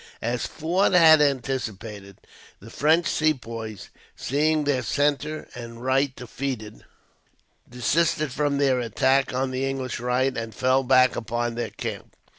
As Forde had anticipated, the French Sepoys, seeing their centre and right defeated, desisted from their attack on the English right, and fell back upon their camp.